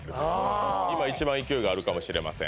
今一番勢いがあるかもしれません